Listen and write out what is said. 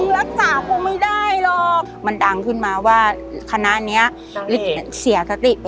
รักษาผู้ไม่ได้หรอกมันดังขึ้นมาว่าคณะเนี้ย